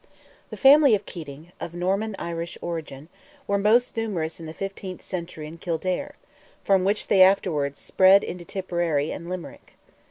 The family of Keating, of Norman Irish origin, were most numerous in the fifteenth century in Kildare, from which they afterwards spread into Tipperary and Limerick.